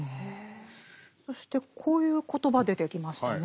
そしてこういう言葉出てきましたね。